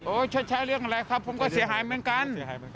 ชดใช้เรื่องอะไรครับผมก็เสียหายเหมือนกัน